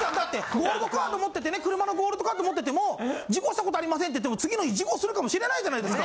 ゴールドカード持っててね車のゴールドカード持ってても事故した事ありませんって言っても次の日事故するかもしれないじゃないですか。